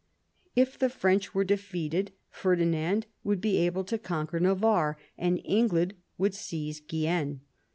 If the French were defeated Ferdinand would be able to conquer Navarre, and England would seize Guienne.